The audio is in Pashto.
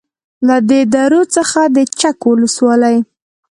. له دې درو څخه د چک ولسوالۍ